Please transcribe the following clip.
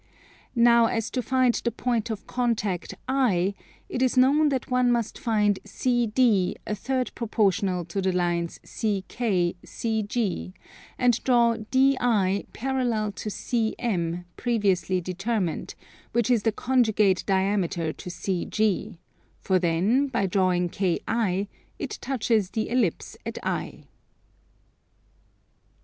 Now as to finding the point of contact I, it is known that one must find CD a third proportional to the lines CK, CG, and draw DI parallel to CM, previously determined, which is the conjugate diameter to CG; for then, by drawing KI it touches the Ellipse at I. 29.